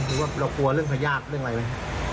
หรือว่าเรากลัวเรื่องพยาบาลเรื่องอะไรไหม